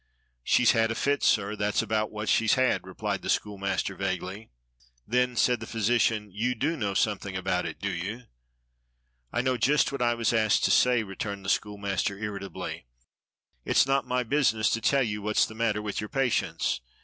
"She's had a fit, sir, that's about what she's had," replied the schoolmaster vaguely. "Then," said the physician, "you do know something about it, do you?" "I know just what I was asked to say," returned the schoolmaster irritably. "It's not my business to tell you what's the matter with your patients.